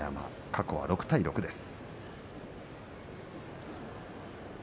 過去は６対６です。